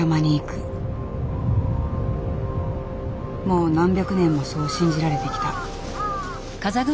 もう何百年もそう信じられてきた。